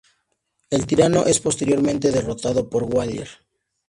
El tirano es posteriormente derrotado por Waller.